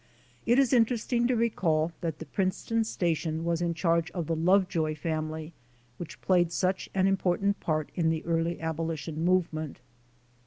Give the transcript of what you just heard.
It is interesting to recall that the Prince ton station was in charge of the Lovejoy family, which played such an important part in the early abolition movement.